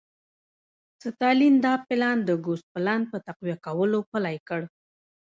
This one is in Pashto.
ستالین دا پلان د ګوسپلن په تقویه کولو پلی کړ